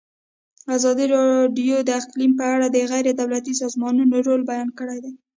ازادي راډیو د اقلیم په اړه د غیر دولتي سازمانونو رول بیان کړی.